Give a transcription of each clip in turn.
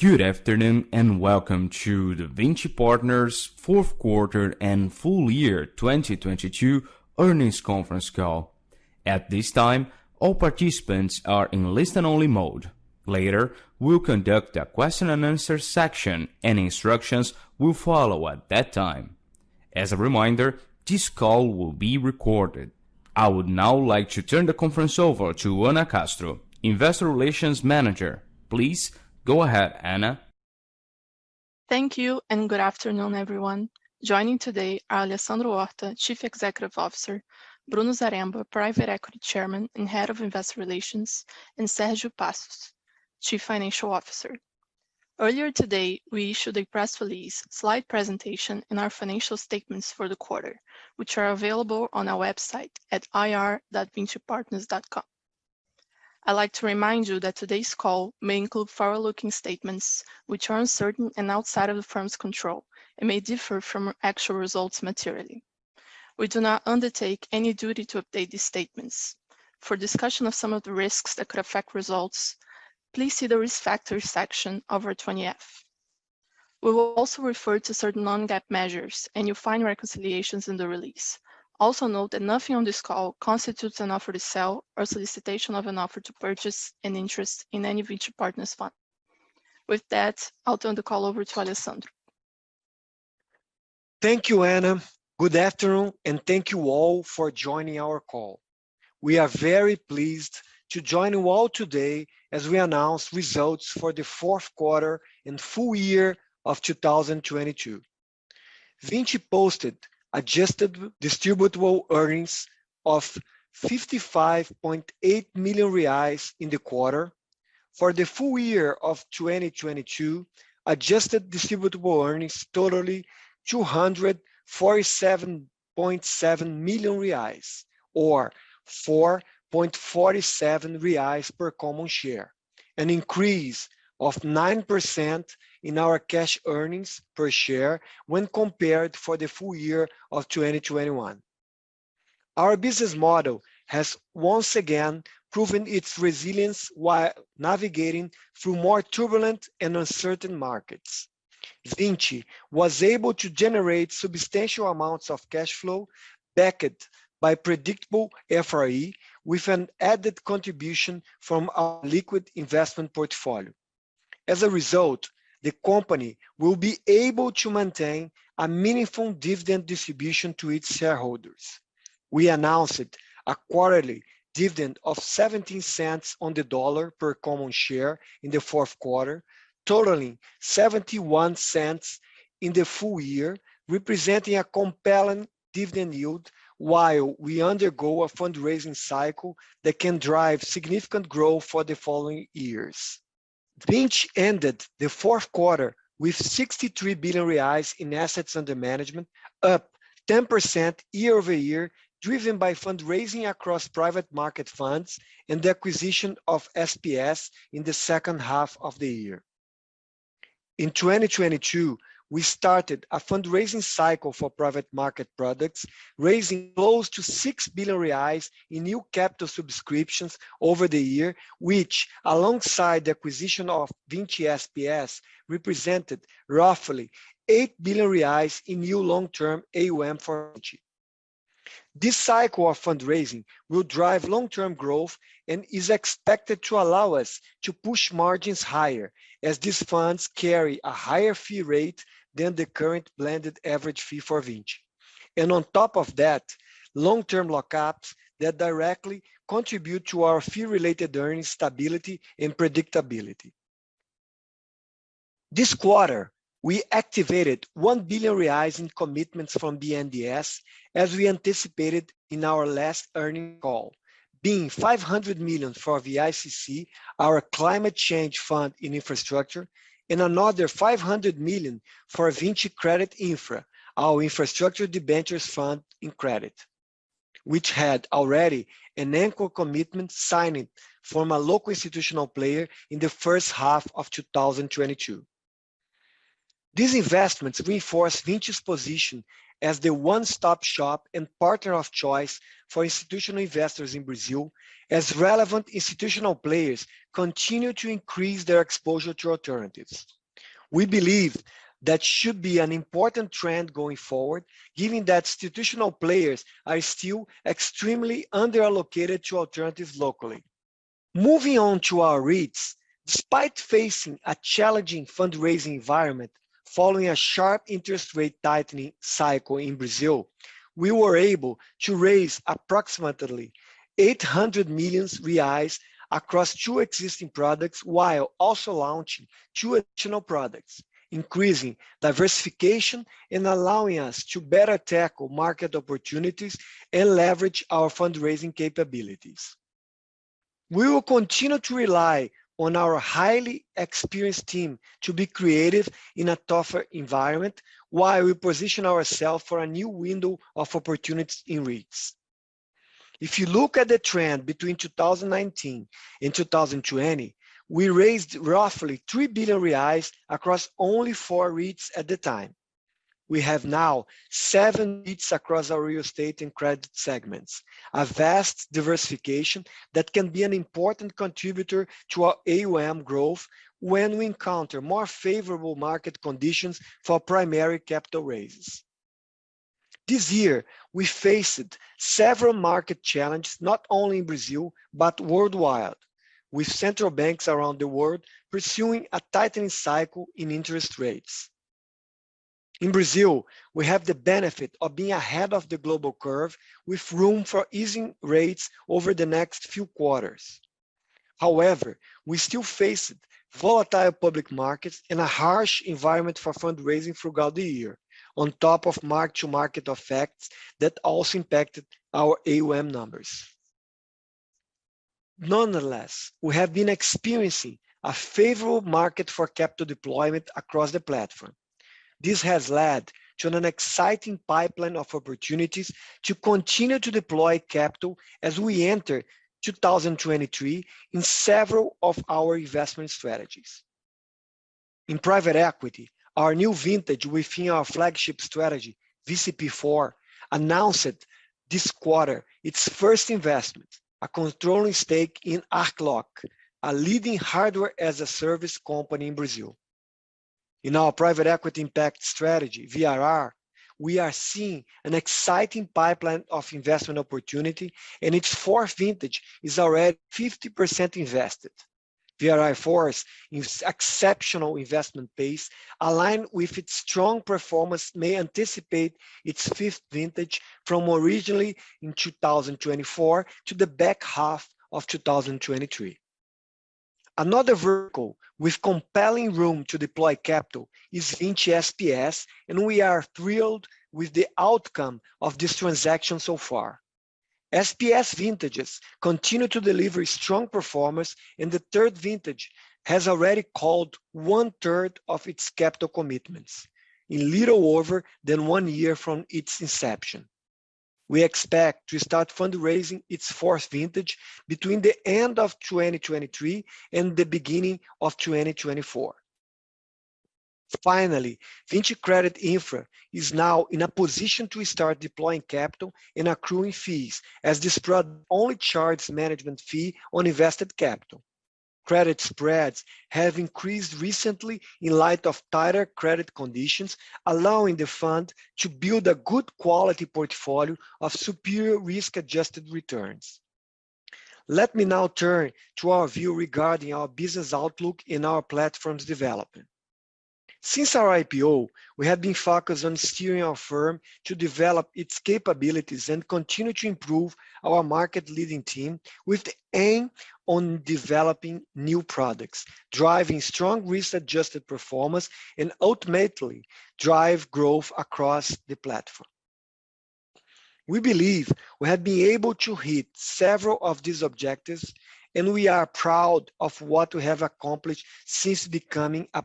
Good afternoon. Welcome to Vinci Partners fourth quarter and full year 2022 earnings conference call. At this time, all participants are in listen only mode. Later, we'll conduct a question and answer section, and instructions will follow at that time. As a reminder, this call will be recorded. I would now like to turn the conference over to Anna Castro, investor relations manager. Please go ahead, Ana. Thank you, good afternoon, everyone. Joining today are Alessandro Horta, Chief Executive Officer, Bruno Zaremba, Private Equity Chairman and Head of Investor Relations, and Sergio Passos, Chief Financial Officer. Earlier today, we issued a press release slide presentation in our financial statements for the quarter, which are available on our website at ir.vincipartners.com. I'd like to remind you that today's call may include forward-looking statements which are uncertain and outside of the firm's control and may differ from actual results materially. We do not undertake any duty to update these statements. For discussion of some of the risks that could affect results, please see the Risk Factors section of our 20-F. We will also refer to certain non-GAAP measures. You'll find reconciliations in the release. Note that nothing on this call constitutes an offer to sell or solicitation of an offer to purchase an interest in any Vinci Partners fund. With that, I'll turn the call over to Alessandro. Thank you, Ana. Good afternoon, thank you all for joining our call. We are very pleased to join you all today as we announce results for the fourth quarter and full year of 2022. Vinci posted adjusted distributable earnings of 55.8 million reais in the quarter. For the full year of 2022, adjusted distributable earnings totaling 247.7 million reais or 4.47 reais per common share, an increase of 9% in our cash earnings per share when compared for the full year of 2021. Our business model has once again proven its resilience while navigating through more turbulent and uncertain markets. Vinci was able to generate substantial amounts of cash flow backed by predictable FRE with an added contribution from our liquid investment portfolio. The company will be able to maintain a meaningful dividend distribution to its shareholders. We announced a quarterly dividend of $0.17 per common share in the fourth quarter, totaling $0.71 in the full year, representing a compelling dividend yield while we undergo a fundraising cycle that can drive significant growth for the following years. Vinci ended the fourth quarter with 63 billion reais in assets under management, up 10% year-over-year, driven by fundraising across private market funds and the acquisition of SPS in the second half of the year. In 2022, we started a fundraising cycle for private market products, raising close to 6 billion reais in new capital subscriptions over the year, which alongside the acquisition of Vinci SPS, represented roughly 8 billion reais in new long-term AUM for Vinci. This cycle of fundraising will drive long-term growth and is expected to allow us to push margins higher as these funds carry a higher fee rate than the current blended average fee for Vinci. On top of that, long-term lock-ups that directly contribute to our fee-related earnings stability and predictability. This quarter, we activated 1 billion reais in commitments from BNDES, as we anticipated in our last earnings call, being 500 million for VICC, our climate change fund in infrastructure, and 500 million for Vinci Credit Infra, our infrastructure debentures fund in credit, which had already an anchor commitment signing from a local institutional player in the first half of 2022. These investments reinforce Vinci's position as the one-stop shop and partner of choice for institutional investors in Brazil as relevant institutional players continue to increase their exposure to alternatives. We believe that should be an important trend going forward, given that institutional players are still extremely under-allocated to alternatives locally. Moving on to our REITs. Despite facing a challenging fundraising environment following a sharp interest rate tightening cycle in Brazil, we were able to raise approximately 800 million reais across two existing products while also launching two additional products, increasing diversification and allowing us to better tackle market opportunities and leverage our fundraising capabilities. We will continue to rely on our highly experienced team to be creative in a tougher environment while we position ourselves for a new window of opportunities in REITs. If you look at the trend between 2019 and 2020, we raised roughly 3 billion reais across only four REITs at the time. We have now seven niches across our real estate and credit segments. A vast diversification that can be an important contributor to our AUM growth when we encounter more favorable market conditions for primary capital raises. This year, we faced several market challenges, not only in Brazil, but worldwide, with central banks around the world pursuing a tightening cycle in interest rates. In Brazil, we have the benefit of being ahead of the global curve with room for easing rates over the next few quarters. However, we still face volatile public markets and a harsh environment for fundraising throughout the year on top of mark-to-market effects that also impacted our AUM numbers. Nonetheless, we have been experiencing a favorable market for capital deployment across the platform. This has led to an exciting pipeline of opportunities to continue to deploy capital as we enter 2023 in several of our investment strategies. In private equity, our new vintage within our flagship strategy, VCP4, announced this quarter its first investment, a controlling stake in Arklok, a leading Hardware-as-a-Service company in Brazil. In our private equity impact strategy, VIR, we are seeing an exciting pipeline of investment opportunity, and its fourth vintage is already 50% invested. VIR IV's exceptional investment pace, aligned with its strong performance, may anticipate its fifth vintage from originally in 2024 to the back half of 2023. Another vertical with compelling room to deploy capital is Vinci SPS, and we are thrilled with the outcome of this transaction so far. SPS vintages continue to deliver strong performance, and the third vintage has already called one-third of its capital commitments in little over than one year from its inception. We expect to start fundraising its fourth vintage between the end of 2023 and the beginning of 2024. Vinci Credit Infra is now in a position to start deploying capital and accruing fees, as this product only charges management fee on invested capital. Credit spreads have increased recently in light of tighter credit conditions, allowing the fund to build a good quality portfolio of superior risk-adjusted returns. Let me now turn to our view regarding our business outlook and our platform's development. Since our IPO, we have been focused on steering our firm to develop its capabilities and continue to improve our market-leading team with the aim on developing new products, driving strong risk-adjusted performance, and ultimately drive growth across the platform. We believe we have been able to hit several of these objectives, and we are proud of what we have accomplished since becoming a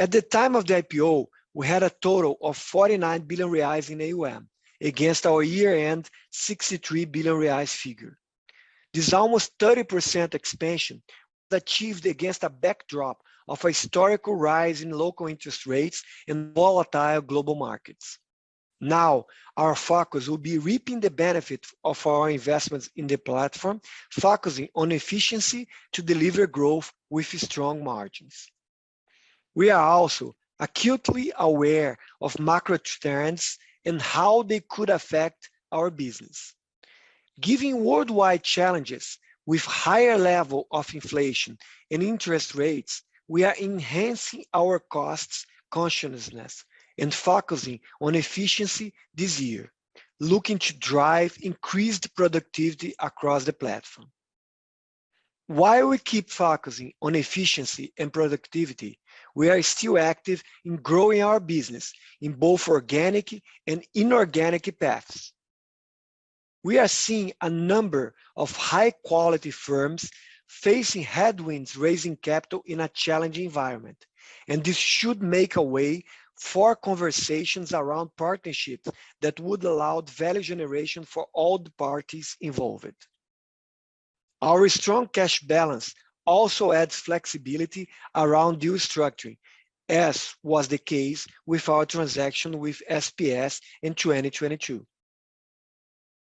public company. At the time of the IPO, we had a total of 49 billion reais in AUM against our year-end 63 billion reais figure. This almost 30% expansion was achieved against a backdrop of a historical rise in local interest rates and volatile global markets. Our focus will be reaping the benefits of our investments in the platform, focusing on efficiency to deliver growth with strong margins. We are also acutely aware of macro trends and how they could affect our business. Given worldwide challenges with higher level of inflation and interest rates, we are enhancing our costs consciousness and focusing on efficiency this year, looking to drive increased productivity across the platform. While we keep focusing on efficiency and productivity, we are still active in growing our business in both organic and inorganic paths. We are seeing a number of high-quality firms facing headwinds raising capital in a challenging environment, and this should make a way for conversations around partnerships that would allow value generation for all the parties involved. Our strong cash balance also adds flexibility around deal structuring, as was the case with our transaction with SPS in 2022.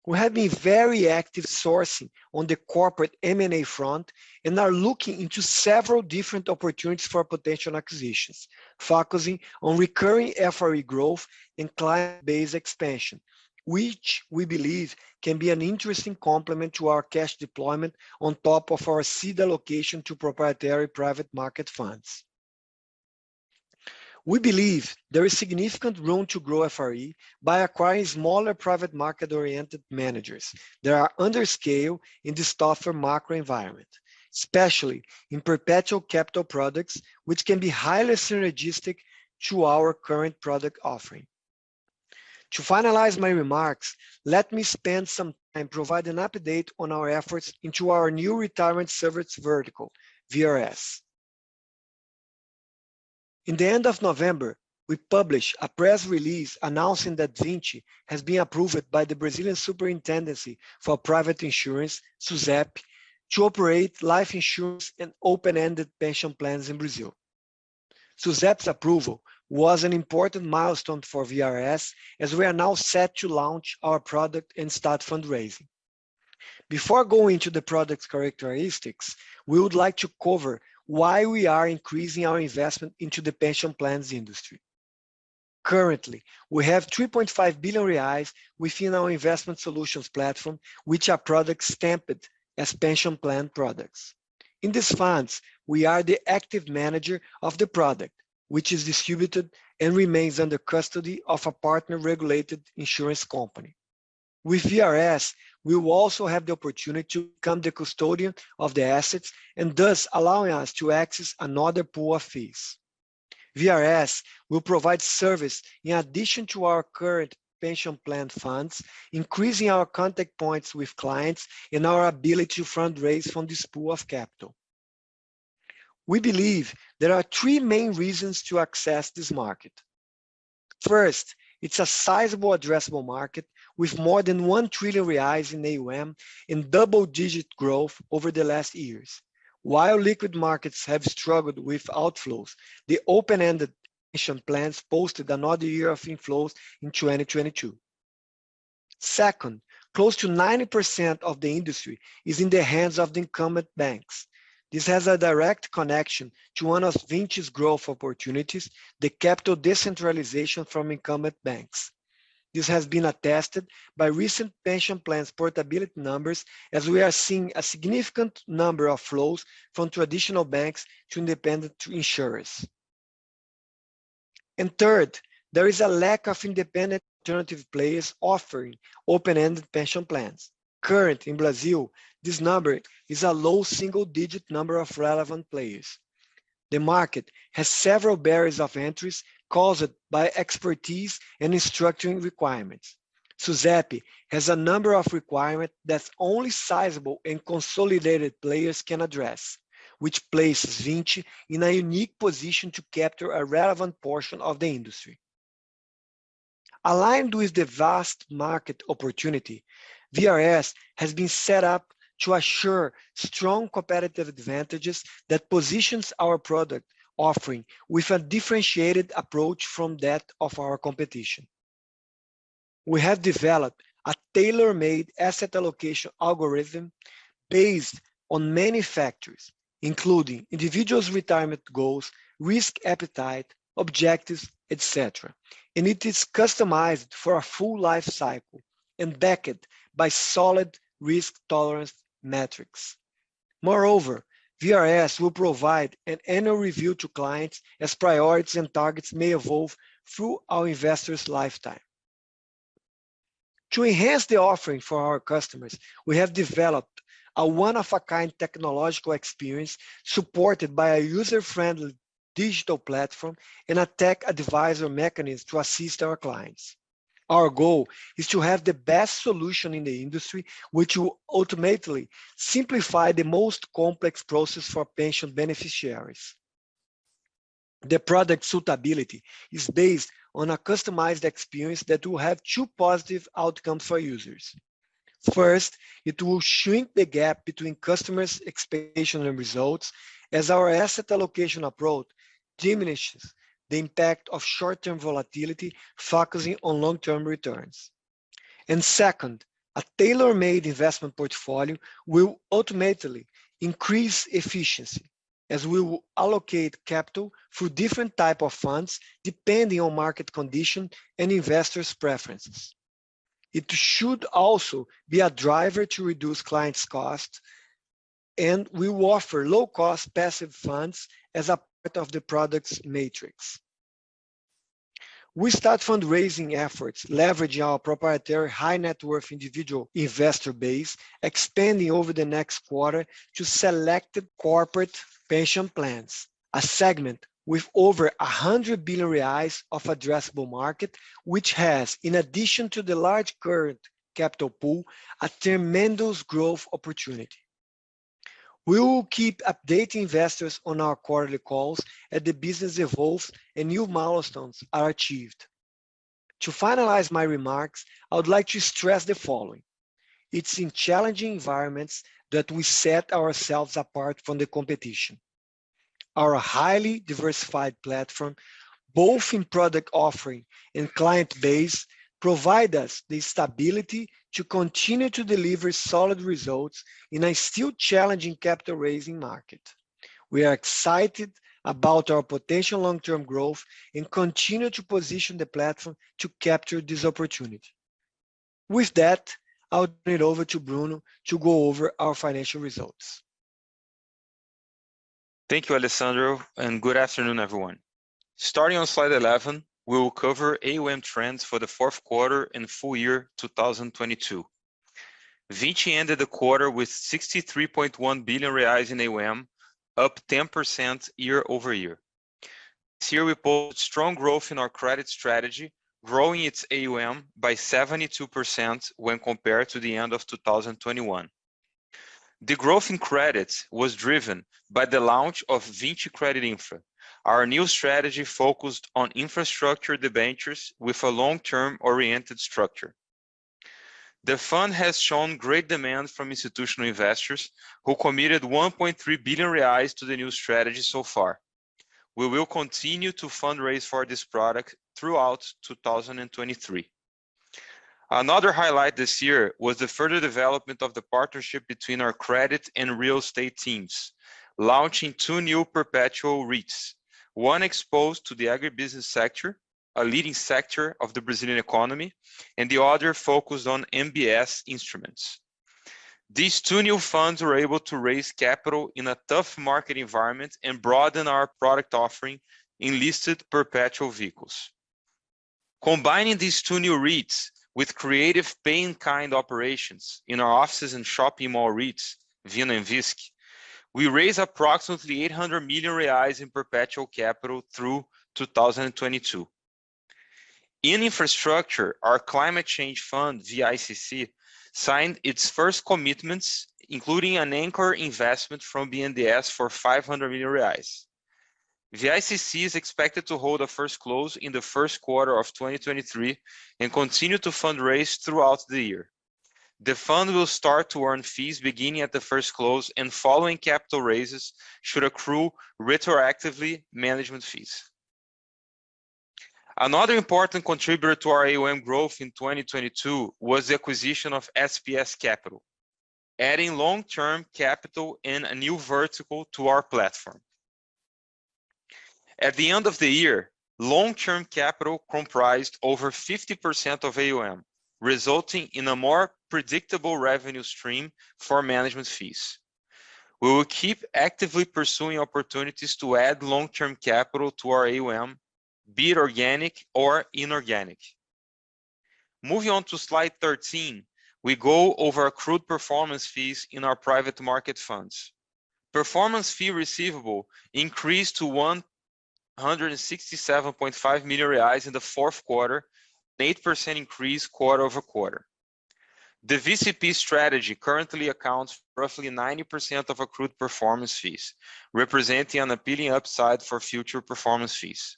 We have been very active sourcing on the corporate M&A front and are looking into several different opportunities for potential acquisitions, focusing on recurring FRE growth and client base expansion, which we believe can be an interesting complement to our cash deployment on top of our seed allocation to proprietary private market funds. We believe there is significant room to grow FRE by acquiring smaller private market-oriented managers that are under scale in this tougher macro environment, especially in perpetual capital products, which can be highly synergistic to our current product offering. To finalize my remarks, let me spend some time providing an update on our efforts into our new retirement service vertical, VRS. In the end of November, we published a press release announcing that Vinci has been approved by the Brazilian Superintendence of Private Insurance, SUSEP, to operate life insurance and open-ended pension plans in Brazil. SUSEP's approval was an important milestone for VRS as we are now set to launch our product and start fundraising. Before going to the product's characteristics, we would like to cover why we are increasing our investment into the pension plans industry. Currently, we have 3.5 billion reais within our investment solutions platform, which are products stamped as pension plan products. In these funds, we are the active manager of the product, which is distributed and remains under custody of a partner-regulated insurance company. With VRS, we will also have the opportunity to become the custodian of the assets, and thus allowing us to access another pool of fees. VRS will provide service in addition to our current pension plan funds, increasing our contact points with clients and our ability to fundraise from this pool of capital. We believe there are three main reasons to access this market. First, it's a sizable addressable market with more than 1 trillion reais in AUM and double-digit growth over the last years. While liquid markets have struggled with outflows, the open-ended pension plans posted another year of inflows in 2022. Second, close to 90% of the industry is in the hands of the incumbent banks. This has a direct connection to one of Vinci's growth opportunities, the capital decentralization from incumbent banks. This has been attested by recent pension plans portability numbers as we are seeing a significant number of flows from traditional banks to independent insurers. Third, there is a lack of independent alternative players offering open-ended pension plans. Currently in Brazil, this number is a low single-digit number of relevant players. The market has several barriers of entries caused by expertise and structuring requirements. SUSEP has a number of requirements that only sizable and consolidated players can address, which places Vinci in a unique position to capture a relevant portion of the industry. Aligned with the vast market opportunity, VRS has been set up to assure strong competitive advantages that positions our product offering with a differentiated approach from that of our competition. We have developed a tailor-made asset allocation algorithm based on many factors, including individual's retirement goals, risk appetite, objectives, et cetera, and it is customized for a full life cycle and backed by solid risk tolerance metrics. Moreover, VRS will provide an annual review to clients as priorities and targets may evolve through our investors' lifetime. To enhance the offering for our customers, we have developed a one-of-a-kind technological experience supported by a user-friendly digital platform and a tech advisor mechanism to assist our clients. Our goal is to have the best solution in the industry, which will ultimately simplify the most complex process for pension beneficiaries. The product suitability is based on a customized experience that will have two positive outcomes for users. First, it will shrink the gap between customers' expectation and results as our asset allocation approach diminishes the impact of short-term volatility, focusing on long-term returns. Second, a tailor-made investment portfolio will ultimately increase efficiency as we will allocate capital through different type of funds depending on market condition and investors' preferences. It should also be a driver to reduce clients' costs, and we will offer low-cost passive funds as a part of the product's matrix. We start fundraising efforts leveraging our proprietary high-net-worth individual investor base, expanding over the next quarter to selected corporate pension plans, a segment with over 100 billion reais of addressable market, which has, in addition to the large current capital pool, a tremendous growth opportunity. We will keep updating investors on our quarterly calls as the business evolves and new milestones are achieved. To finalize my remarks, I would like to stress the following. It's in challenging environments that we set ourselves apart from the competition. Our highly diversified platform, both in product offering and client base, provide us the stability to continue to deliver solid results in a still challenging capital-raising market. We are excited about our potential long-term growth and continue to position the platform to capture this opportunity. With that, I'll turn it over to Bruno to go over our financial results. Thank you, Alessandro. Good afternoon, everyone. Starting on slide 11, we will cover AUM trends for the fourth quarter and full year 2022. Vinci ended the quarter with 63.1 billion reais in AUM, up 10% year-over-year. This year we pulled strong growth in our credit strategy, growing its AUM by 72% when compared to the end of 2021. The growth in credits was driven by the launch of Vinci Credit Infra, our new strategy focused on infrastructure debentures with a long-term oriented structure. The fund has shown great demand from institutional investors who committed 1.3 billion reais to the new strategy so far. We will continue to fundraise for this product throughout 2023. Another highlight this year was the further development of the partnership between our credit and real estate teams, launching two new perpetual REITs, one exposed to the agribusiness sector, a leading sector of the Brazilian economy, and the other focused on MBS instruments. These two new funds were able to raise capital in a tough market environment and broaden our product offering in listed perpetual vehicles. Combining these two new REITs with creative pay in kind operations in our offices and shopping mall REITs, VINO and VISC, we raised approximately 800 million reais in perpetual capital through 2022. In infrastructure, our climate change fund, VICC, signed its first commitments, including an anchor investment from BNDES for 500 million reais. VICC is expected to hold a first close in the first quarter of 2023 and continue to fundraise throughout the year. The fund will start to earn fees beginning at the first close and following capital raises should accrue retroactively management fees. Another important contributor to our AUM growth in 2022 was the acquisition of SPS Capital, adding long-term capital in a new vertical to our platform. At the end of the year, long-term capital comprised over 50% of AUM, resulting in a more predictable revenue stream for management fees. We will keep actively pursuing opportunities to add long-term capital to our AUM, be it organic or inorganic. Moving on to slide 13, we go over accrued performance fees in our private market funds. Performance fee receivable increased to 167.5 million reais in the fourth quarter, an 8% increase quarter-over-quarter. The VCP strategy currently accounts for roughly 90% of accrued performance fees, representing an appealing upside for future performance fees.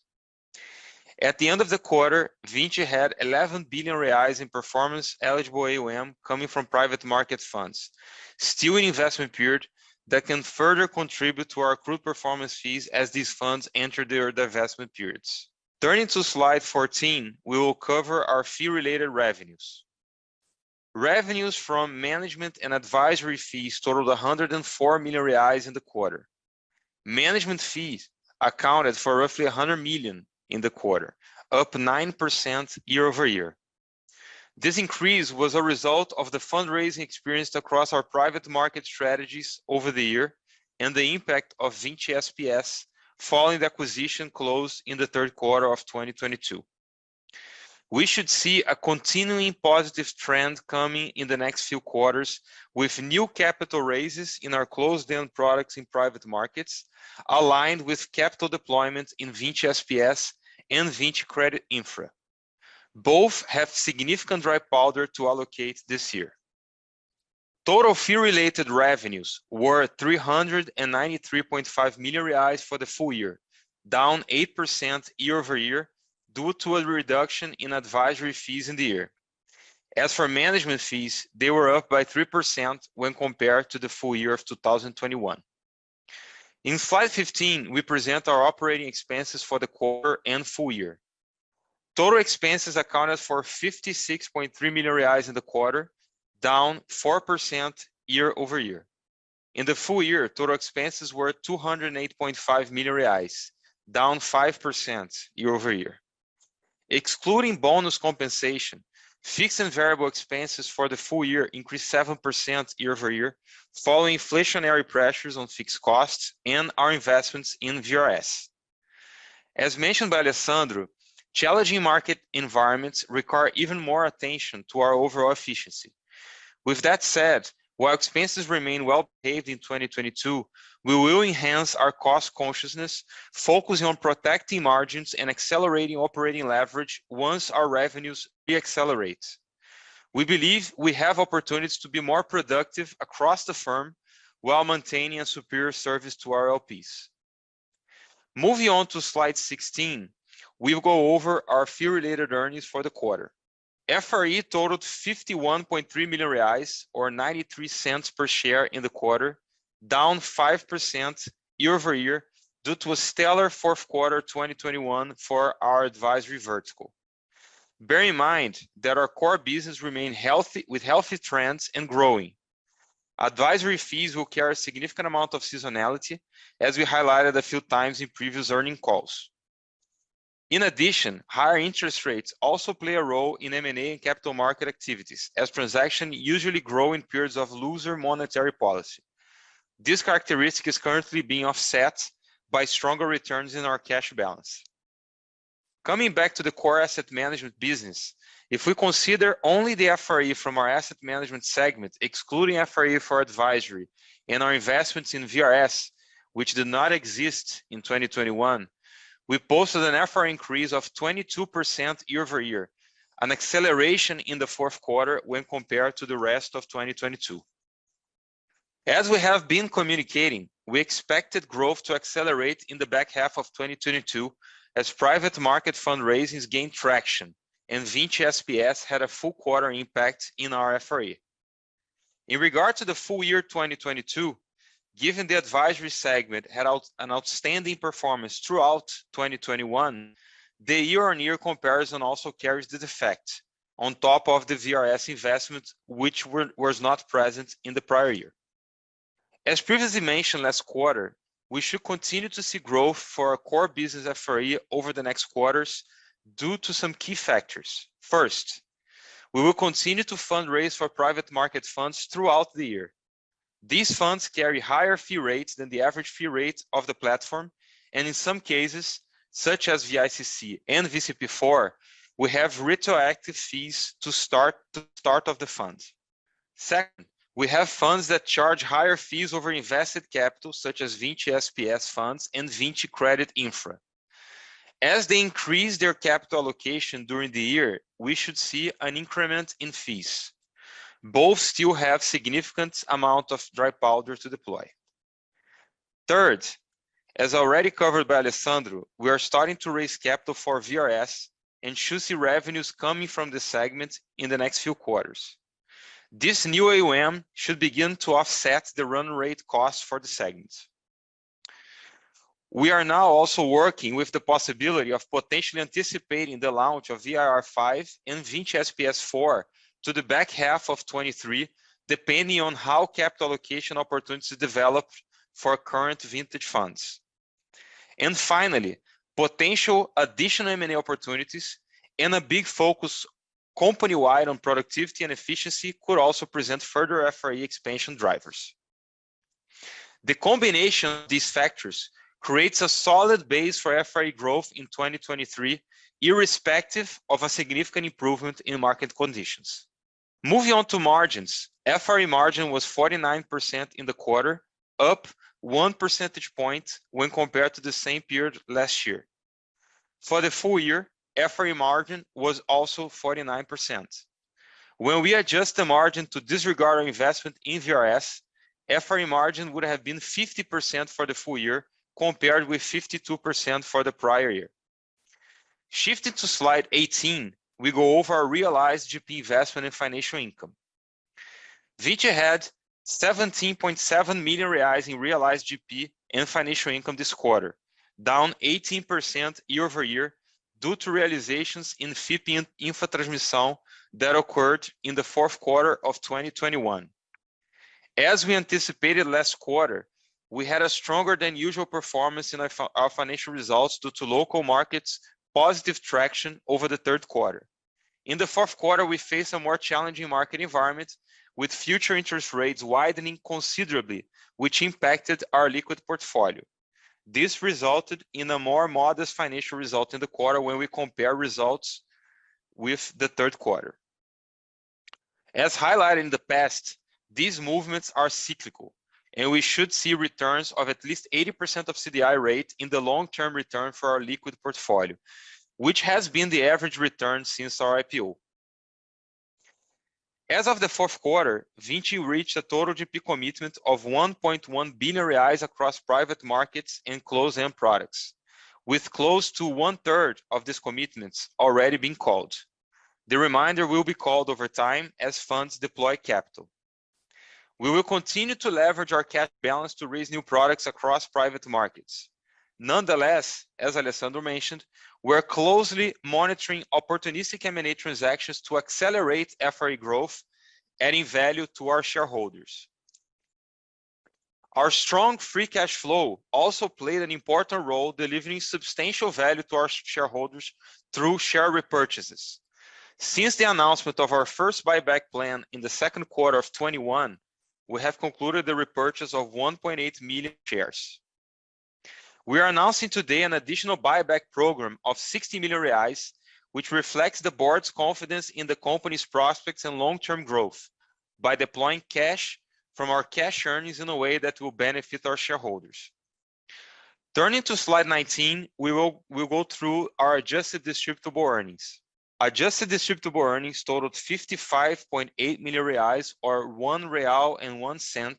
At the end of the quarter, Vinci had 11 billion reais in performance eligible AUM coming from private market funds, still in investment period that can further contribute to our accrued performance fees as these funds enter their divestment periods. Turning to slide 14, we will cover our fee related revenues. Revenues from management and advisory fees totaled 104 million reais in the quarter. Management fees accounted for roughly 100 million in the quarter, up 9% year-over-year. This increase was a result of the fundraising experienced across our private market strategies over the year and the impact of Vinci SPS following the acquisition close in the third quarter of 2022. We should see a continuing positive trend coming in the next few quarters with new capital raises in our closed down products in private markets aligned with capital deployment in Vinci SPS and Vinci Credit Infra. Both have significant dry powder to allocate this year. Total fee related revenues were 393.5 million reais for the full year, down 8% year-over-year due to a reduction in advisory fees in the year. As for management fees, they were up by 3% when compared to the full year of 2021. In slide 15, we present our operating expenses for the quarter and full year. Total expenses accounted for 56.3 million reais in the quarter, down 4% year-over-year. In the full year, total expenses were 208.5 million reais, down 5% year-over-year. Excluding bonus compensation, fixed and variable expenses for the full year increased 7% year-over-year following inflationary pressures on fixed costs and our investments in VRS. As mentioned by Alessandro, challenging market environments require even more attention to our overall efficiency. While expenses remain well behaved in 2022, we will enhance our cost consciousness, focusing on protecting margins and accelerating operating leverage once our revenues re-accelerate. We believe we have opportunities to be more productive across the firm while maintaining a superior service to our LPs. Moving on to slide 16, we'll go over our fee related earnings for the quarter. FRE totaled 51.3 million reais or 0.93 per share in the quarter, down 5% year-over-year due to a stellar fourth quarter 2021 for our advisory vertical. Bear in mind that our core business remain healthy with healthy trends and growing. Advisory fees will carry a significant amount of seasonality, as we highlighted a few times in previous earning calls. In addition, higher interest rates also play a role in M&A and capital market activities as transaction usually grow in periods of looser monetary policy. This characteristic is currently being offset by stronger returns in our cash balance. Coming back to the core asset management business, if we consider only the FRE from our asset management segment, excluding FRE for advisory and our investments in VRS, which did not exist in 2021, we posted an FRE increase of 22% year-over-year, an acceleration in the fourth quarter when compared to the rest of 2022. As we have been communicating, we expected growth to accelerate in the back half of 2022 as private market fundraisings gained traction and Vinci SPS had a full quarter impact in our FRE. In regard to the full year 2022, given the advisory segment had an outstanding performance throughout 2021, the year-on-year comparison also carries the defect on top of the VRS investment which was not present in the prior year. As previously mentioned last quarter, we should continue to see growth for our core business FRE over the next quarters due to some key factors. First, we will continue to fundraise for private market funds throughout the year. These funds carry higher fee rates than the average fee rate of the platform, and in some cases, such as VICC and VCP4, we have retroactive fees to the start of the funds. Second, we have funds that charge higher fees over invested capital such as Vinci SPS funds and Vinci Credit Infra. As they increase their capital allocation during the year, we should see an increment in fees. Both still have significant amount of dry powder to deploy. Third, as already covered by Alessandro, we are starting to raise capital for VRS and should see revenues coming from this segment in the next few quarters. This new AUM should begin to offset the run rate cost for the segment. We are now also working with the possibility of potentially anticipating the launch of VIR V and Vinci SPS IV to the back half of 2023, depending on how capital allocation opportunities develop for our current vintage funds. Finally, potential additional M&A opportunities and a big focus company-wide on productivity and efficiency could also present further FRE expansion drivers. The combination of these factors creates a solid base for FRE growth in 2023, irrespective of a significant improvement in market conditions. Moving on to margins, FRE margin was 49% in the quarter, up 1 percentage point when compared to the same period last year. For the full year, FRE margin was also 49%. When we adjust the margin to disregard our investment in VRS, FRE margin would have been 50% for the full year compared with 52% for the prior year. Shifting to slide 18, we go over our realized GP investment and financial income. Vinci had 17.7 million reais in realized GP and financial income this quarter, down 18% year-over-year due to realizations in FIP Infra Transmissão that occurred in the fourth quarter of 2021. As we anticipated last quarter, we had a stronger than usual performance in our financial results due to local markets' positive traction over the third quarter. In the fourth quarter, we faced a more challenging market environment with future interest rates widening considerably, which impacted our liquid portfolio. This resulted in a more modest financial result in the quarter when we compare results with the third quarter. As highlighted in the past, these movements are cyclical, and we should see returns of at least 80% of CDI rate in the long-term return for our liquid portfolio, which has been the average return since our IPO. As of the fourth quarter, Vinci reached a total GP commitment of 1.1 billion reais across private markets and closed-end products, with close to one-third of these commitments already being called. The remainder will be called over time as funds deploy capital. We will continue to leverage our cash balance to raise new products across private markets. Nonetheless, as Alessandro mentioned, we are closely monitoring opportunistic M&A transactions to accelerate FRE growth, adding value to our shareholders. Our strong free cash flow also played an important role delivering substantial value to our shareholders through share repurchases. Since the announcement of our first buyback plan in the second quarter of 2021, we have concluded the repurchase of 1.8 million shares. We are announcing today an additional buyback program of 60 million reais, which reflects the board's confidence in the company's prospects and long-term growth by deploying cash from our cash earnings in a way that will benefit our shareholders. Turning to slide 19, we'll go through our adjusted distributable earnings. Adjusted distributable earnings totaled 55.8 million reais, or 1.01 real,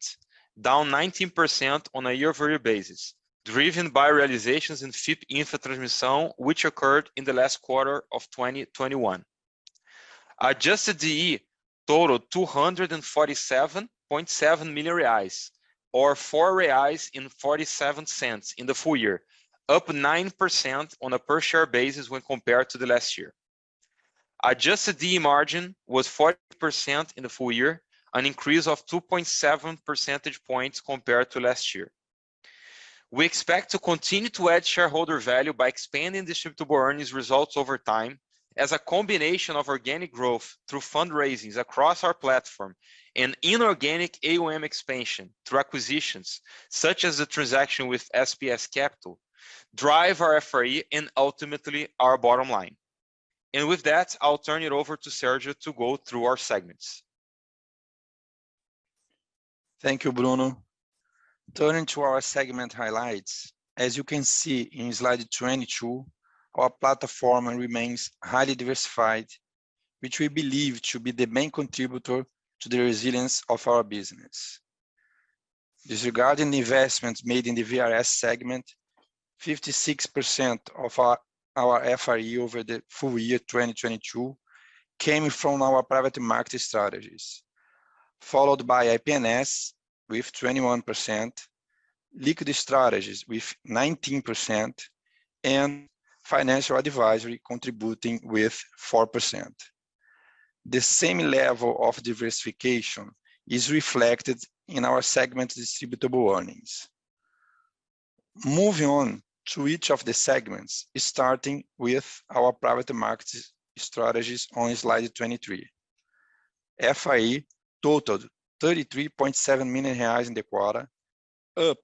down 19% on a year-over-year basis, driven by realizations in FIP Infra Transmissão which occurred in the last quarter of 2021. Adjusted DE totaled 247.7 million reais, or 4.47 reais in the full year, up 9% on a per share basis when compared to the last year. Adjusted DE margin was 40% in the full year, an increase of 2.7 percentage points compared to last year. We expect to continue to add shareholder value by expanding distributable earnings results over time as a combination of organic growth through fundraisings across our platform and inorganic AUM expansion through acquisitions such as the transaction with SPS Capital drive our FRE and ultimately our bottom line. With that, I'll turn it over to Sergio to go through our segments. Thank you, Bruno. Turning to our segment highlights. As you can see in slide 22, our platform remains highly diversified, which we believe to be the main contributor to the resilience of our business. Disregarding the investments made in the VRS segment, 56% of our FRE over the full year 2022 came from our private market strategies, followed by IPNS with 21%, liquid strategies with 19% and financial advisory contributing with 4%. The same level of diversification is reflected in our segment distributable earnings. Starting with our private market strategies on slide 23. FIE totaled 33.7 million reais in the quarter, up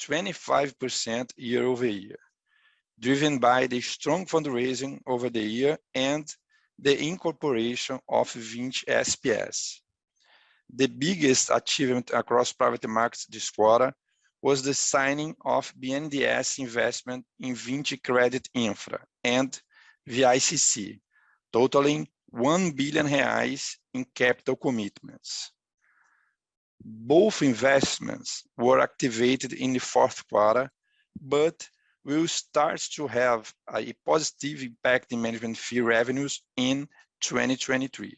25% year-over-year, driven by the strong fundraising over the year and the incorporation of Vinci SPS. The biggest achievement across private markets this quarter was the signing of BNDES investment in Vinci Credit Infra and VICC, totaling 1 billion reais in capital commitments. Both investments were activated in the fourth quarter, but will start to have a positive impact in management fee revenues in 2023.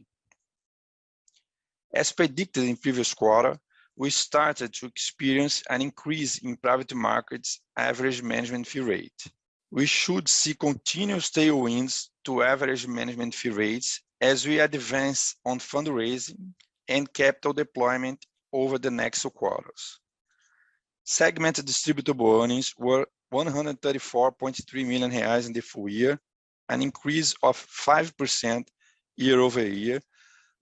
As predicted in previous quarter, we started to experience an increase in private markets average management fee rate. We should see continuous tailwinds to average management fee rates as we advance on fundraising and capital deployment over the next quarters. Segment distributable earnings were 134.3 million reais in the full year, an increase of 5% year-over-year,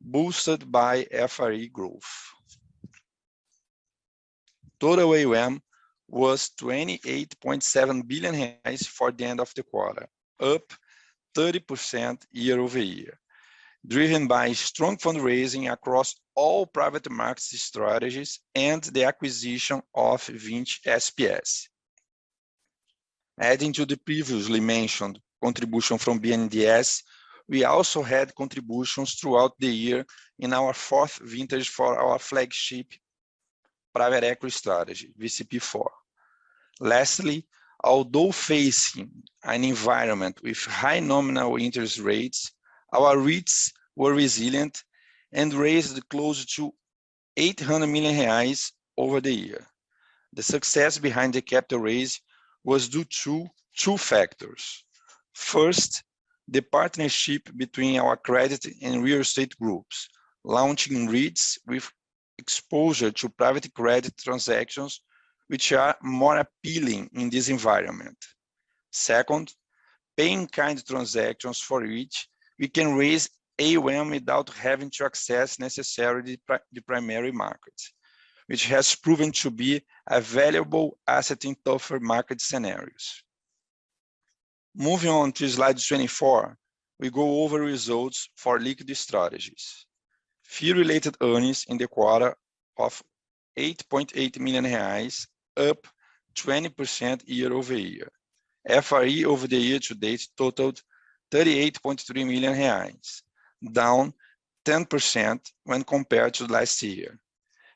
boosted by FRE growth. Total AUM was 28.7 billion reais for the end of the quarter, up 30% year-over-year, driven by strong fundraising across all private market strategies and the acquisition of Vinci SPS. Adding to the previously mentioned contribution from BNDES, we also had contributions throughout the year in our fourth vintage for our flagship private equity strategy, VCP4. Although facing an environment with high nominal interest rates, our REITs were resilient and raised close to 800 million reais over the year. The success behind the capital raise was due to two factors. First, the partnership between our credit and real estate groups, launching REITs with exposure to private credit transactions which are more appealing in this environment. Second, paying kind transactions for which we can raise AUM without having to access necessarily the primary market, which has proven to be a valuable asset in tougher market scenarios. Moving on to slide 24, we go over results for liquid strategies. Fee related earnings in the quarter of 8.8 million reais, up 20% year-over-year. FRE over the year to date totaled 38.3 million reais, down 10% when compared to last year,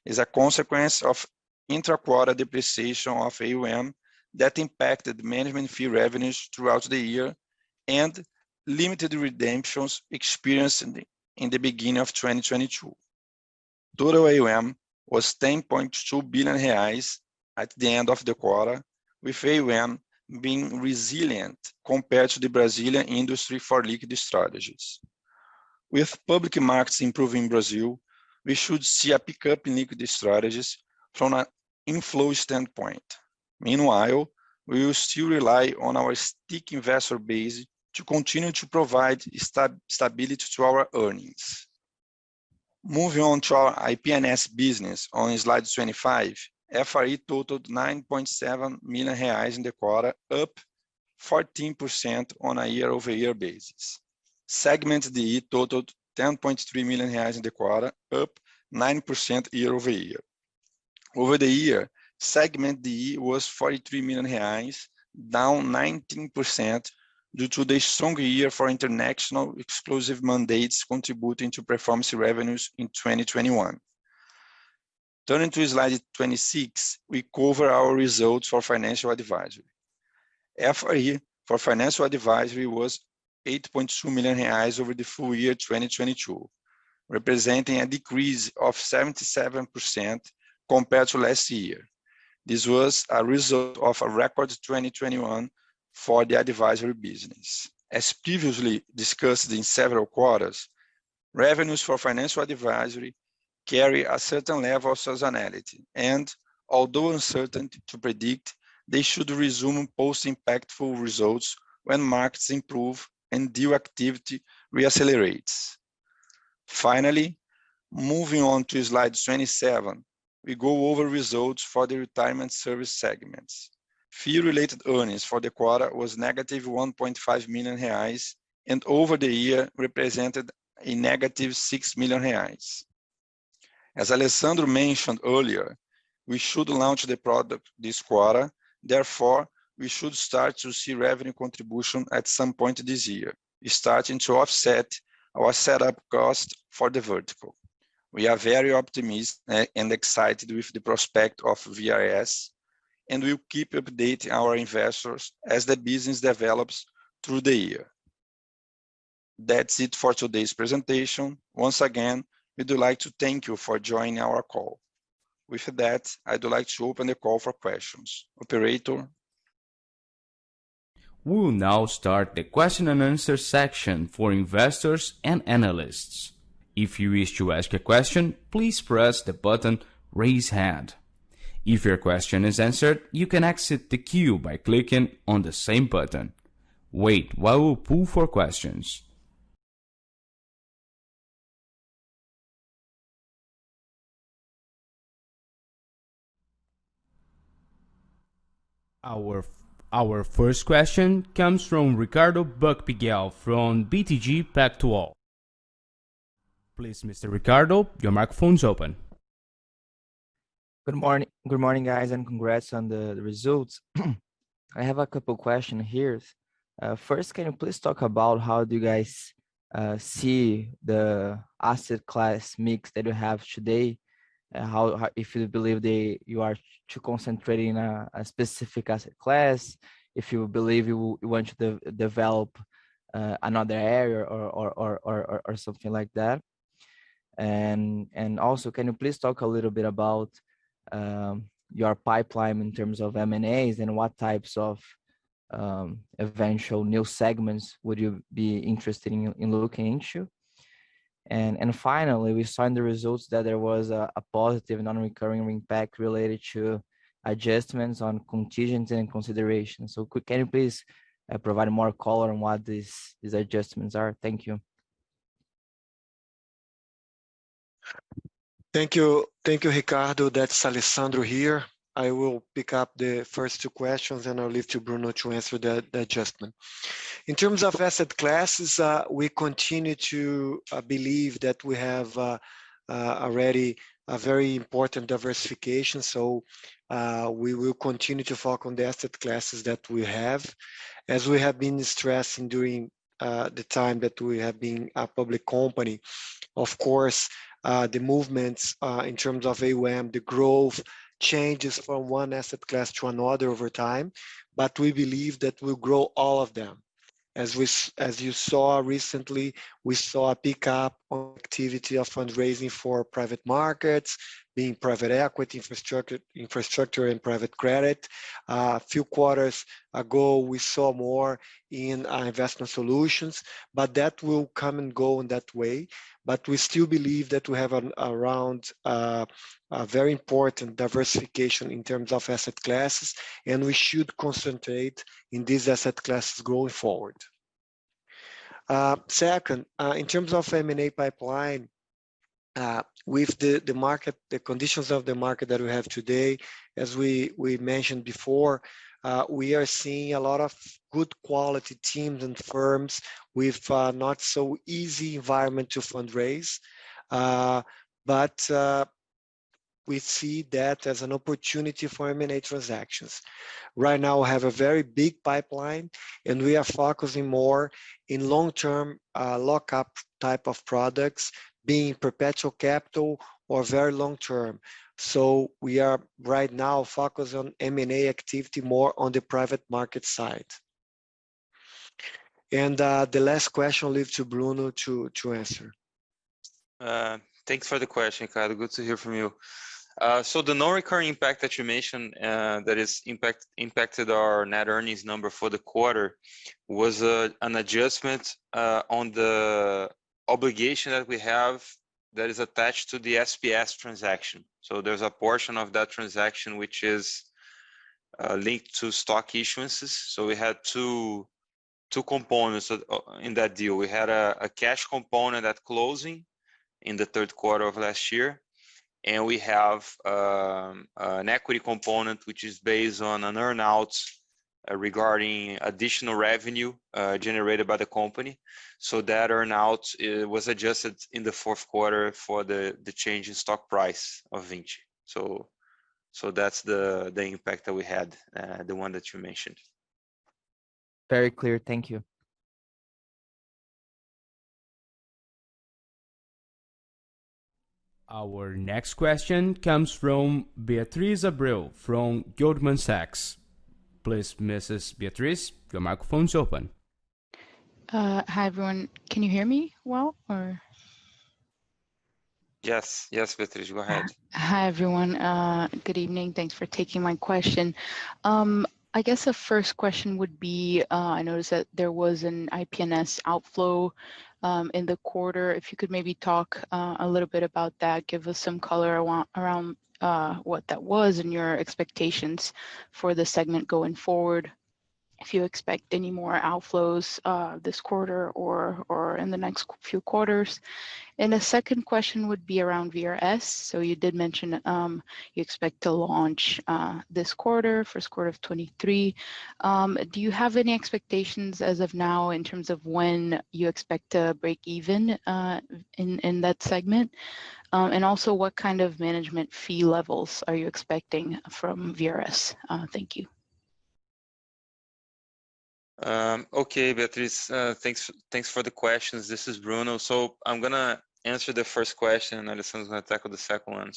as a consequence of intra-quarter depreciation of AUM that impacted management fee revenues throughout the year and limited redemptions experienced in the beginning of 2022. Total AUM was 10.2 billion reais at the end of the quarter, with AUM being resilient compared to the Brazilian industry for liquid strategies. With public markets improving Brazil, we should see a pickup in liquid strategies from an inflow standpoint. Meanwhile, we will still rely on our stick investor base to continue to provide stability to our earnings. Moving on to our IPNS business on slide 25, FRE totaled 9.7 million reais in the quarter, up 14% on a year-over-year basis. Segment DE totaled 10.3 million reais in the quarter, up 9% year-over-year. Over the year, segment DE was 43 million reais, down 19% due to the strong year for international exclusive mandates contributing to performance revenues in 2021. Turning to slide 26, we cover our results for financial advisory. FRE for financial advisory was 8.2 million reais over the full year 2022, representing a decrease of 77% compared to last year. This was a result of a record 2021 for the advisory business. As previously discussed in several quarters, revenues for financial advisory carry a certain level of seasonality, although uncertain to predict, they should resume post impactful results when markets improve and deal activity re-accelerates. Moving on to slide 27, we go over results for the Retirement Service Segments. Fee related earnings for the quarter was -1.5 million reais. Over the year represented -6 million reais. As Alessandro mentioned earlier, we should launch the product this quarter, therefore, we should start to see revenue contribution at some point this year, starting to offset our setup cost for the vertical. We are very optimist and excited with the prospect of VRS. We'll keep updating our investors as the business develops through the year. That's it for today's presentation. Once again, we'd like to thank you for joining our call. With that, I'd like to open the call for questions. Operator? We'll now start the Q&A section for investors and analysts. If you wish to ask a question, please press the button raise hand. If your question is answered, you can exit the queue by clicking on the same button. Wait while we pull for questions. Our first question comes from Ricardo Buchpiguel from BTG Pactual. Please, Mr. Ricardo, your microphone's open. Good morning. Good morning, guys, and congrats on the results. I have a couple question here. First, can you please talk about how do you guys see the asset class mix that you have today? How, if you believe you are too concentrating on a specific asset class, if you believe you want to develop another area or something like that. Also, can you please talk a little bit about your pipeline in terms of M&A and what types of eventual new segments would you be interested in looking into? Finally, we saw in the results that there was a positive non-recurring impact related to adjustments on contingents and considerations. Can you please provide more color on what these adjustments are? Thank you. Thank you. Thank you, Ricardo. That's Alessandro here. I will pick up the first 2 questions. I'll leave to Bruno to answer the adjustment. In terms of asset classes, we continue to believe that we have already a very important diversification. We will continue to focus on the asset classes that we have. As you saw recently, we saw a pickup on activity of fundraising for private markets being private equity, infrastructure and private credit. A few quarters ago, we saw more in investment solutions, but that will come and go in that way. We still believe that we have an around very important diversification in terms of asset classes, and we should concentrate in these asset classes going forward. Second, in terms of M&A pipeline, with the market, the conditions of the market that we have today, as we mentioned before, we are seeing a lot of good quality teams and firms with not so easy environment to fundraise. We see that as an opportunity for M&A transactions. Right now we have a very big pipeline, and we are focusing more in long-term lockup type of products being perpetual capital or very long-term. We are right now focused on M&A activity more on the private market side. The last question I'll leave to Bruno to answer. Thanks for the question, Ricardo. Good to hear from you. The non-recurring impact that you mentioned that has impacted our net earnings number for the quarter was an adjustment on the obligation that we have that is attached to the SPS transaction. There's a portion of that transaction which is linked to stock issuances. We had two components in that deal. We had a cash component at closing in the third quarter of last year, and we have an equity component which is based on an earn-out regarding additional revenue generated by the company. That earn-out was adjusted in the fourth quarter for the change in stock price of Vinci. That's the impact that we had, the one that you mentioned. Very clear. Thank you. Our next question comes from Beatriz Abreu from Goldman Sachs. Please, Mrs. Beatriz, your microphone's open. Hi, everyone. Can you hear me well, or? Yes. Yes, Beatriz, go ahead. Hi, everyone. Good evening. Thanks for taking my question. I guess the first question would be, I noticed that there was an IPNS outflow in the quarter. If you could maybe talk a little bit about that, give us some color around what that was and your expectations for the segment going forward. If you expect any more outflows this quarter or in the next few quarters. The second question would be around VRS. You did mention you expect to launch this quarter for square of 23. Do you have any expectations as of now in terms of when you expect to break even in that segment? Also what kind of management fee levels are you expecting from VRS? Thank you. Okay, Beatriz. Thanks for the questions. This is Bruno. I'm gonna answer the first question, and Alessandro gonna tackle the second one.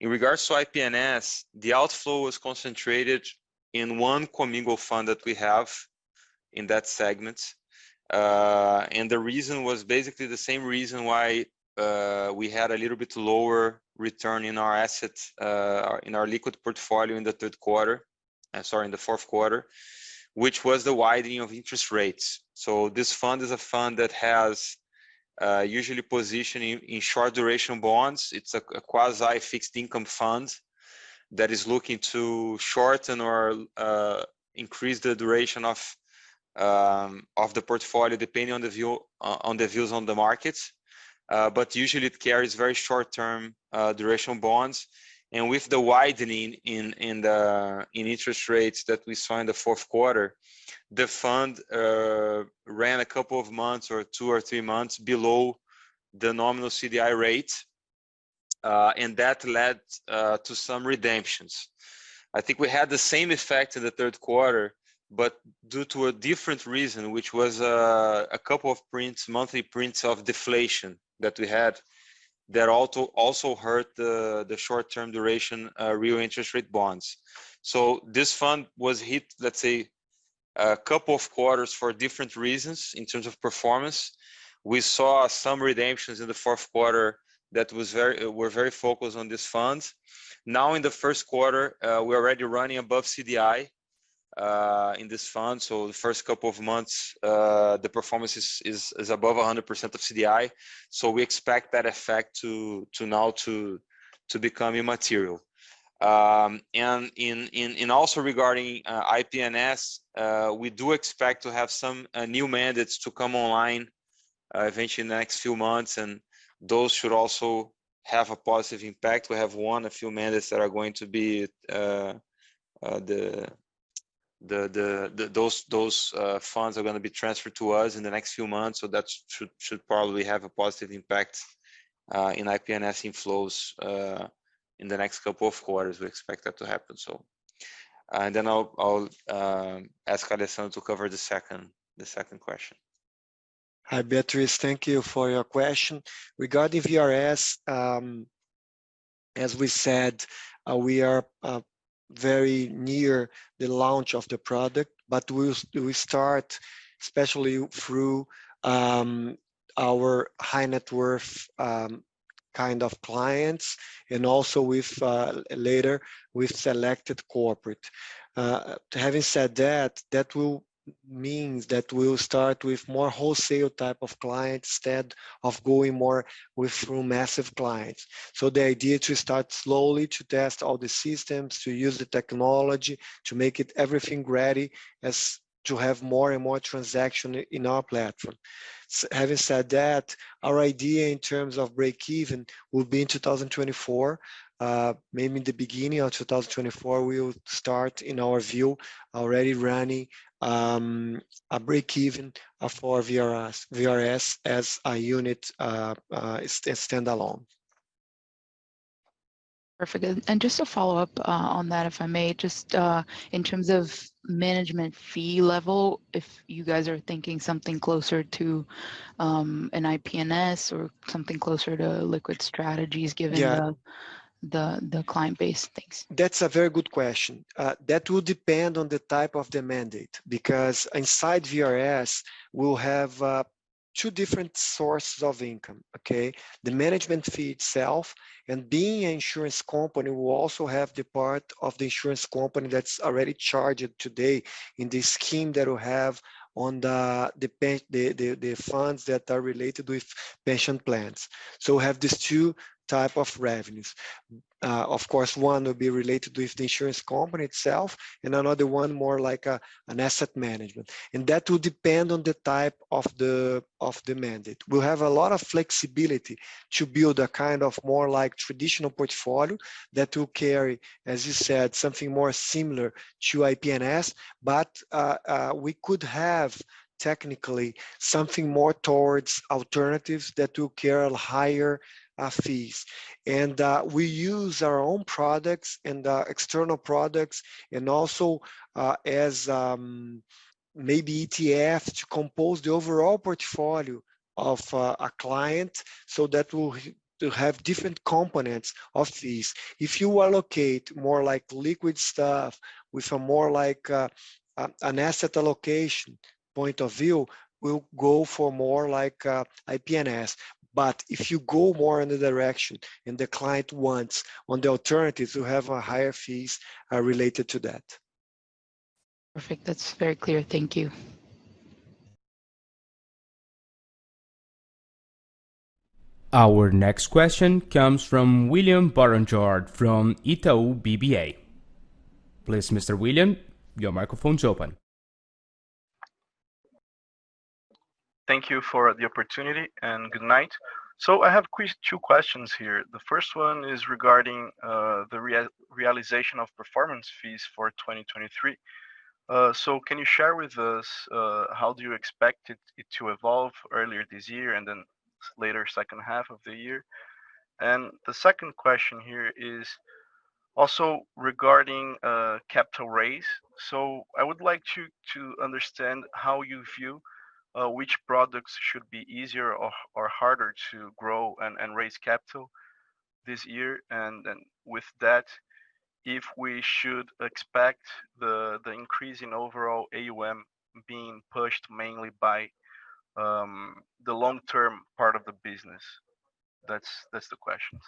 In regards to IPNS, the outflow was concentrated in one commingle fund that we have in that segment. And the reason was basically the same reason why we had a little bit lower return in our assets, in our liquid portfolio in the fourth quarter, which was the widening of interest rates. This fund is a fund that has usually position in short duration bonds. It's a quasi-fixed income fund that is looking to shorten or increase the duration of the portfolio, depending on the view, on the views on the markets. But usually it carries very short-term duration bonds. With the widening in the interest rates that we saw in the fourth quarter, the fund ran a couple of months or two or three months below the nominal CDI rate, and that led to some redemptions. I think we had the same effect in the third quarter, but due to a different reason, which was a couple of prints, monthly prints of deflation that we had that also hurt the short-term duration, real interest rate bonds. This fund was hit, let's say, a couple of quarters for different reasons in terms of performance. We saw some redemptions in the fourth quarter that were very focused on these funds. In the first quarter, we're already running above CDI in this fund. The first couple of months, the performance is above 100% of CDI, so we expect that effect to now to become immaterial. And also regarding IPNS, we do expect to have some new mandates to come online eventually in the next few months, and those should also have a positive impact. We have won a few mandates that are going to be those funds are gonna be transferred to us in the next few months, so that should probably have a positive impact in IPNS inflows in the next couple of quarters. We expect that to happen. I'll ask Alessandro to cover the second question. Hi, Beatriz. Thank you for your question. Regarding VRS, as we said, we are very near the launch of the product, but we start especially through our high net worth kind of clients and also with later with selected corporate. Having said that will means that we'll start with more wholesale type of clients instead of going more with through massive clients. The idea to start slowly to test all the systems, to use the technology, to make it everything ready as to have more and more transaction in our platform. Having said that, our idea in terms of break even will be in 2024. Maybe in the beginning of 2024, we will start, in our view, already running a break even for VRS as a unit, standalone. Perfect. Just a follow-up on that, if I may. Just in terms of management fee level, if you guys are thinking something closer to an IPNS or something closer to liquid strategies given the client base. Thanks. That's a very good question. That will depend on the type of the mandate because inside VRS, we'll have two different sources of income, okay? The management fee itself, and being an insurance company, we'll also have the part of the insurance company that's already charged today in the scheme that we have on the funds that are related with pension plans. We have these two type of revenues. Of course, one will be related with the insurance company itself and another one more like a, an asset management. That will depend on the type of the mandate. We'll have a lot of flexibility to build a kind of more like traditional portfolio that will carry, as you said, something more similar to IPNS. We could have technically something more towards alternatives that will carry higher fees. We use our own products and external products and also as maybe ETF to compose the overall portfolio of a client so that we'll to have different components of these. If you allocate more like liquid stuff with a more like an asset allocation point of view, we'll go for more like IPNS. If you go more in the direction and the client wants on the alternatives, we'll have a higher fees related to that. Perfect. That's very clear. Thank you. Our next question comes from William Barranjard from Itaú BBA. Please, Mr. William, your microphone's open. Thank you for the opportunity. Good night. I have two questions here. The first one is regarding the realization of performance fees for 2023. Can you share with us how do you expect it to evolve earlier this year later second half of the year? The second question here is also regarding capital raise. I would like to understand how you view which products should be easier or harder to grow and raise capital this year. With that, if we should expect the increase in overall AUM being pushed mainly by the long-term part of the business. That's the questions.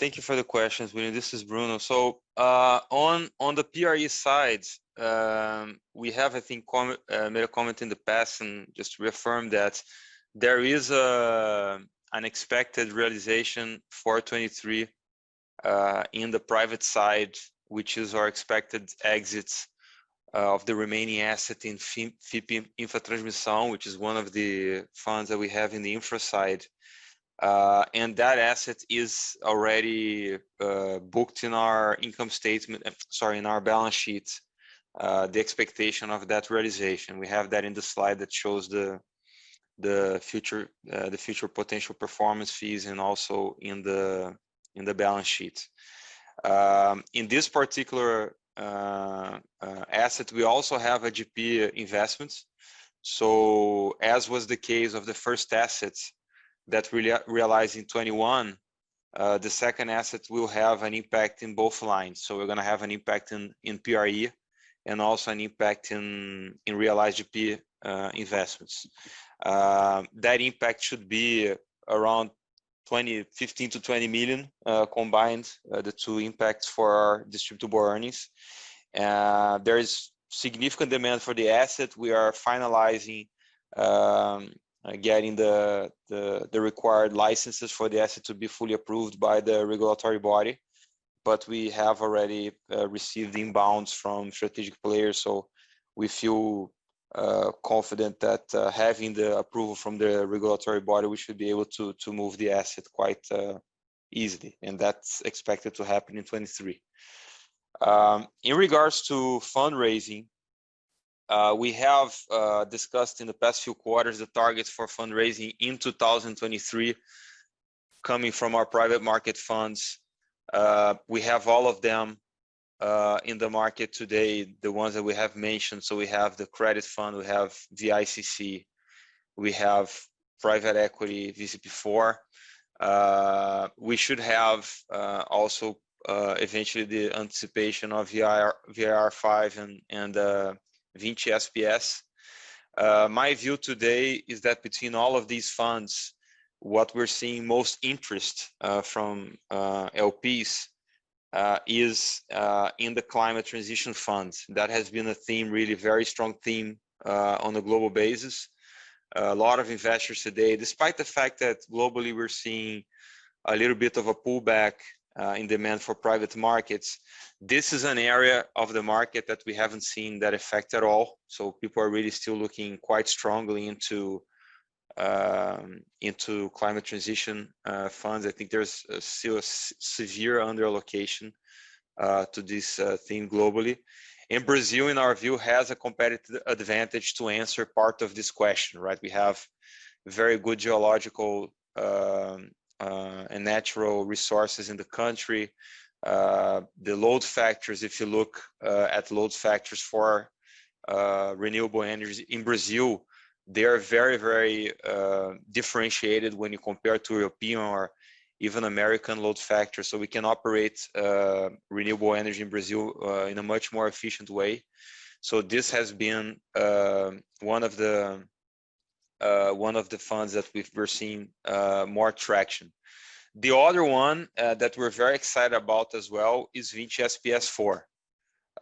Thank you for the questions, William. This is Bruno. On the PRE side, we have made a comment in the past and just to reaffirm that there is unexpected realization for 2023 in the private side, which is our expected exits of the remaining asset in FIP InfraTransmissão, which is one of the funds that we have in the infra side. And that asset is already booked in our balance sheet. The expectation of that realization. We have that in the slide that shows the future, the future potential performance fees and also in the balance sheet. In this particular asset, we also have a GP investment. As was the case of the first asset that realized in 2021, the second asset will have an impact in both lines. We're gonna have an impact in PRE and also an impact in realized GP investments. That impact should be around 15 million-20 million combined, the two impacts for our distributable earnings. There is significant demand for the asset. We are finalizing getting the required licenses for the asset to be fully approved by the regulatory body. We have already received inbounds from strategic players, so we feel confident that having the approval from the regulatory body, we should be able to move the asset quite easily. That's expected to happen in 2023. In regards to fundraising, we have discussed in the past few quarters the targets for fundraising in 2023 coming from our private market funds. We have all of them in the market today, the ones that we have mentioned. We have the credit fund, we have the VICC, we have private equity, VCP4. We should have also eventually the anticipation of VIR5 and Vinci SPS. My view today is that between all of these funds, what we're seeing most interest from LPs is in the climate transition funds. That has been a theme, really very strong theme, on a global basis. A lot of investors today, despite the fact that globally we're seeing a little bit of a pullback in demand for private markets, this is an area of the market that we haven't seen that effect at all. People are really still looking quite strongly into climate transition funds. I think there's still a severe underallocation to this theme globally. Brazil, in our view, has a competitive advantage to answer part of this question, right. We have very good geological and natural resources in the country. The load factors, if you look at load factors for renewable energy in Brazil, they are very, very differentiated when you compare to European or even American load factors. We can operate renewable energy in Brazil in a much more efficient way. This has been one of the funds that we've, we're seeing more traction. The other one that we're very excited about as well is Vinci SPS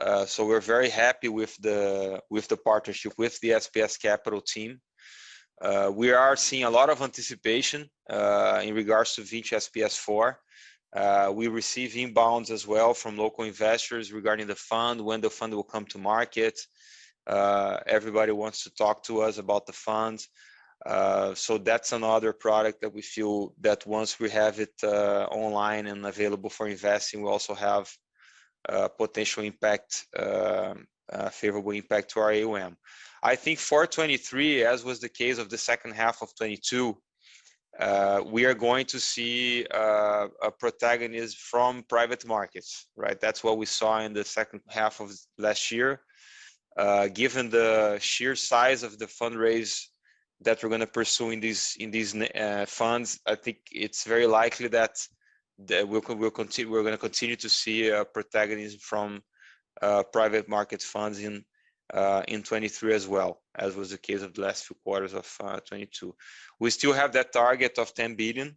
IV. We're very happy with the partnership with the SPS Capital team. We are seeing a lot of anticipation in regards to Vinci SPS IV. We receive inbounds as well from local investors regarding the fund, when the fund will come to market. Everybody wants to talk to us about the fund. That's another product that we feel that once we have it online and available for investing, we'll also have potential impact, favorable impact to our AUM. I think for 2023, as was the case of the second half of 2022, we are going to see a protagonist from private markets, right? That's what we saw in the second half of last year. Given the sheer size of the fundraise that we're gonna pursue in these funds, I think it's very likely that we're gonna continue to see protagonism from private market funds in 2023 as well, as was the case of the last few quarters of 2022. We still have that target of 10 billion.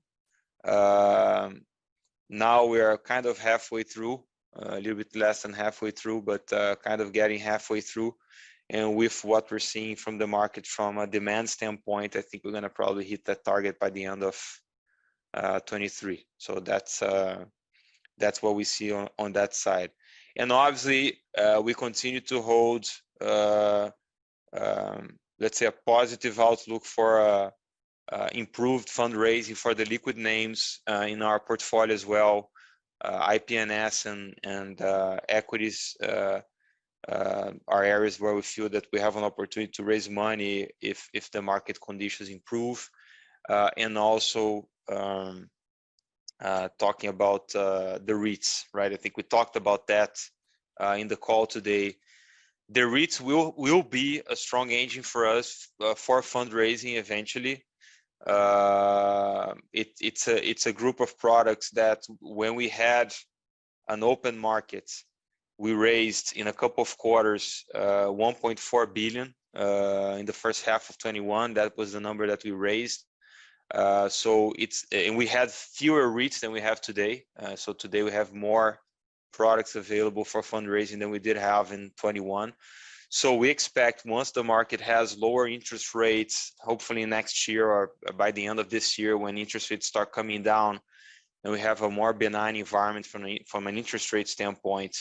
Now we are kind of halfway through, a little bit less than halfway through, but kind of getting halfway through. With what we're seeing from the market from a demand standpoint, I think we're gonna probably hit that target by the end of 2023. That's what we see on that side. Obviously, we continue to hold, let's say a positive outlook for improved fundraising for the liquid names in our portfolio as well. IPNS and equities are areas where we feel that we have an opportunity to raise money if the market conditions improve. Also, talking about the REITs, right? I think we talked about that in the call today. The REITs will be a strong engine for us for fundraising eventually. It's a group of products that when we had an open market, we raised in a couple of quarters, $1.4 billion. In the first half of 2021, that was the number that we raised. We had fewer REITs than we have today. Today we have more products available for fundraising than we did have in 2021. We expect once the market has lower interest rates, hopefully next year or by the end of this year when interest rates start coming down, and we have a more benign environment from a, from an interest rate standpoint,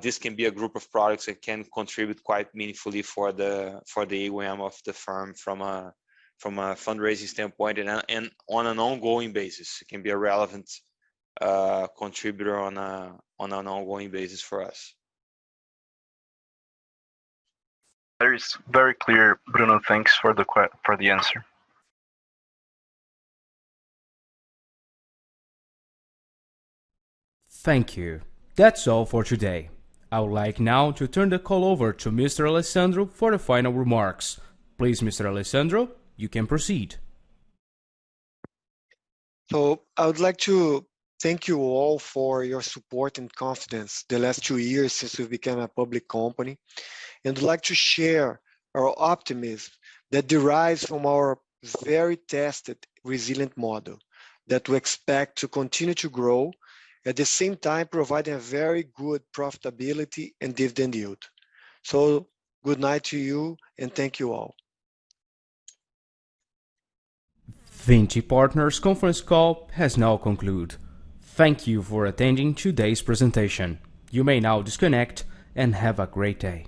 this can be a group of products that can contribute quite meaningfully for the, for the AUM of the firm from a, from a fundraising standpoint. On an ongoing basis, it can be a relevant contributor on a, on an ongoing basis for us. That is very clear, Bruno. Thanks for the answer. Thank you. That's all for today. I would like now to turn the call over to Mr. Alessandro for the final remarks. Please, Mr. Alessandro, you can proceed. I would like to thank you all for your support and confidence the last two years since we became a public company. I'd like to share our optimism that derives from our very tested resilient model that we expect to continue to grow, at the same time providing a very good profitability and dividend yield. Good night to you, and thank you all. Vinci Partners conference call has now concluded. Thank you for attending today's presentation. You may now disconnect and have a great day.